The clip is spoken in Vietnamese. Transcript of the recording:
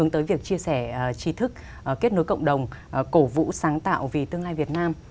tới việc chia sẻ trí thức kết nối cộng đồng cổ vũ sáng tạo vì tương lai việt nam